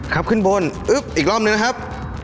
ขึ้นบนอีกรอบหนึ่งนะครับ